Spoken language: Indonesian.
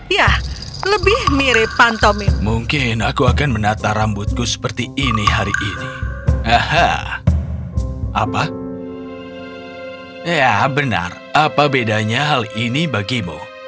ya benar apa bedanya hal ini bagimu